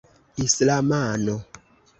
islamano